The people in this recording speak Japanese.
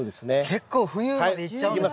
結構冬までいっちゃうんですね。